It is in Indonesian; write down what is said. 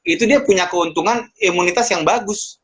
itu dia punya keuntungan imunitas yang bagus